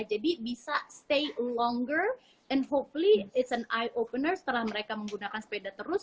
jadi bisa stay longer and hopefully it's an eye opener setelah mereka menggunakan sepeda terus